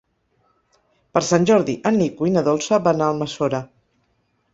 Per Sant Jordi en Nico i na Dolça van a Almassora.